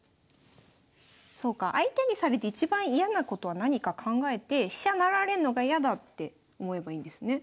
そうか相手にされて一番嫌なことは何か考えて飛車成られるのが嫌だって思えばいいんですね。